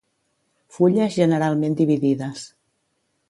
Fulles generalment dividides.